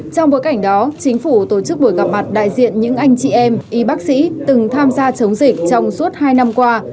trong bối cảnh đó chính phủ tổ chức buổi gặp mặt đại diện những anh chị em y bác sĩ từng tham gia chống dịch trong suốt hai năm qua